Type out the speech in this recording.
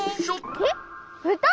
えっ？うた？